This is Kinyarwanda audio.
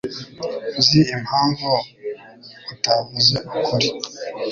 Nzi impamvu utavuze ukuri.